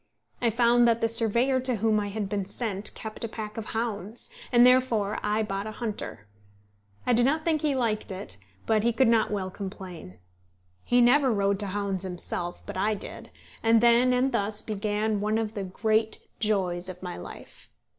I found that the surveyor to whom I had been sent kept a pack of hounds, and therefore I bought a hunter. I do not think he liked it, but he could not well complain. He never rode to hounds himself, but I did; and then and thus began one of the great joys of my life.